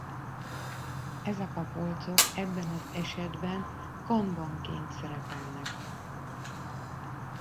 Ezek a polcok ebben az esetben kanban-ként szerepelnek.